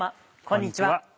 こんにちは。